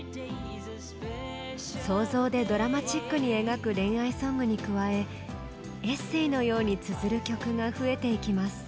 想像でドラマチックに描く恋愛ソングに加えエッセーのようにつづる曲が増えていきます。